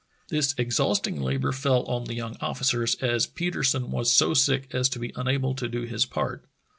This exhausting labor fell on the 3^oung ofHcers, as Petersen was so sick as to be unable to do his part.